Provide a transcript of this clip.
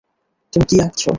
তুমি কী আঁকছ?